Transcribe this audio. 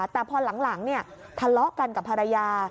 แต่พอหลังทะเลาะกันกับภรรยา